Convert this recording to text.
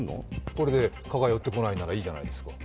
これで蚊が寄ってこないならいいじゃないですか。